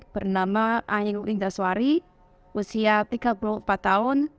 bernama ayu indaswari usia tiga puluh empat tahun